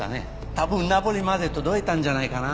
多分ナポリまで届いたんじゃないかな。